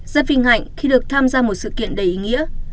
rất vinh hạnh khi được tham gia một sự kiện đầy ý nghĩa